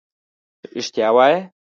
رښتیا وایې.